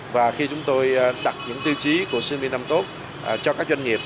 và khi chúng tôi đặt những tiêu chí của sinh viên năm tốt cho các doanh nghiệp